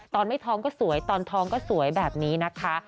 ตอนไม่ท้องก็สวยตอนท้องก็สวยแบบนี้นะคะ